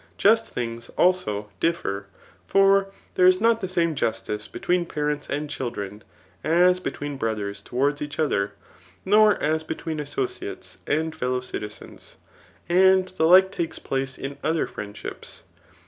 Just things, also, differ ; for there is not th& same justice between parents and children, as between brothers towards each other, nor as between associates and fellow citizens. And the like takes place in other friendships.